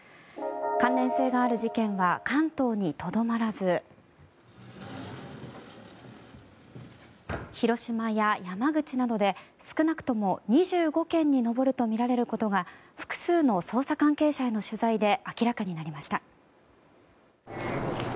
関連性がある事件は関東にとどまらず広島や山口などで少なくとも２５件に上るとみられることが複数の捜査関係者への取材で明らかになりました。